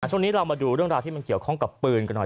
ช่วงนี้เรามาดูเรื่องราวที่มันเกี่ยวข้องกับปืนกันหน่อย